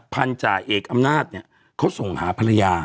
พันธาเอกอำนาจเนี่ยเขาส่งหาภรรยา